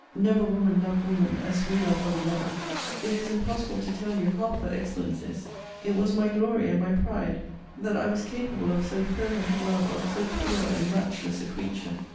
Never woman loved woman as we love one another. It is impossible to tell you half her excellencies. It was my glory and my pride, that I was capable of so fervent a love of so pure and matchless a creature.